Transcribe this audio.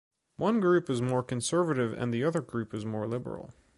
One group is more conservative and the other group is more liberal.